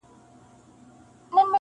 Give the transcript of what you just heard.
• د یوه په مفهوم لا نه یم پوه سوی -